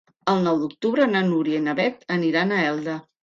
El nou d'octubre na Núria i na Beth aniran a Elda.